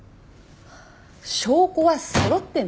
証拠はそろってるのよ。